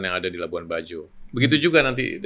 yang ada di labuan bajo begitu juga nanti